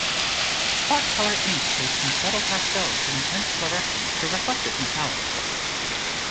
Spot-color inks range from subtle pastels to intense fluorescents to reflective metallics.